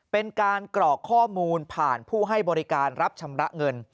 เป็นการกรอกข้อมูลผ่านผู้ให้บริการรับชำระเงิน